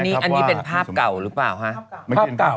อันนี้เป็นภาพเก่าหรือเปล่าคะภาพเก่า